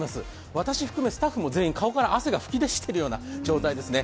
私含めスタッフも全員、顔から汗が噴き出しているような状態ですね。